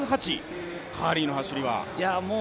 カーリーの走りは？